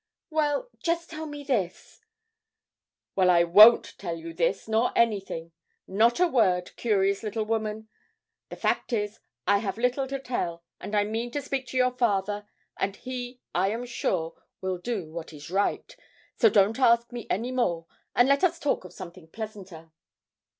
'Well, just tell me this ' 'Well, I won't tell you this, nor anything not a word, curious little woman. The fact is, I have little to tell, and I mean to speak to your father, and he, I am sure, will do what is right; so don't ask me any more, and let us talk of something pleasanter.'